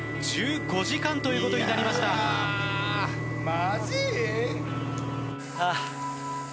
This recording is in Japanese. ・マジ！？